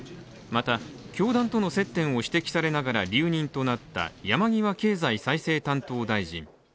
また、教団との接点を指摘されながら留任となった山際経済再生担当大臣。